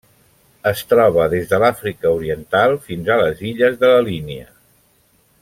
Es troba des de l'Àfrica Oriental fins a les Illes de la Línia.